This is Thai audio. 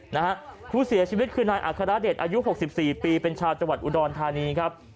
นะฮะผู้เสียชีวิตคือนายอัครเดชอายุหกสิบสี่ปีเป็นชาวจังหวัดอุดรธานีครับ